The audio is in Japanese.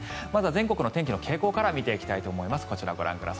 まずは全国の天気の傾向から見ていきたいと思います。